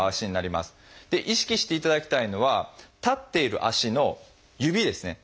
意識していただきたいのは立っている足の指ですね。